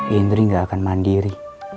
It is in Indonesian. indri gak akan mandiri